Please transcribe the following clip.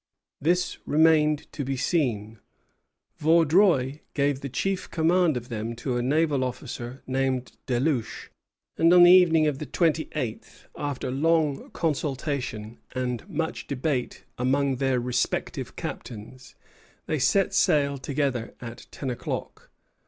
This remained to be seen. Vaudreuil gave the chief command of them to a naval officer named Delouche; and on the evening of the twenty eighth, after long consultation and much debate among their respective captains, they set sail together at ten o'clock.